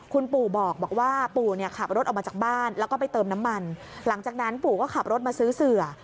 คุณปู่บอกว่าปู่ขับรถออกมาจากบ้านแล้วก็ใส่ออกน้ำมันทำงั้นปู่ก็ขับรถมาซื้อเสือ